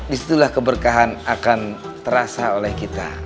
disitulah keberkahan akan terasa oleh kita